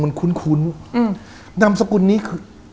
บางคนก็สันนิฐฐานว่าแกโดนคนติดยาน่ะ